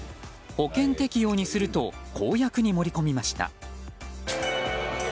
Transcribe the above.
保険適用にすると公約に盛り込みました。